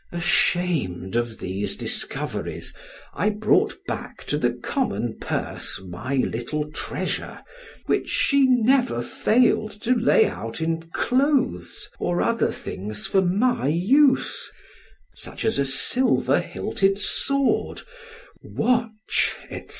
Ashamed of these discoveries, I brought back to the common purse my little treasure, which she never failed to lay out in clothes, or other things for my use, such as a silver hilted sword, watch, etc.